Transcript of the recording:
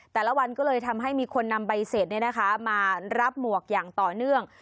แต่ละวันก็เลยทำให้มีคนนำใบเสร็จมารับหมวกอย่างต่อเนื่อง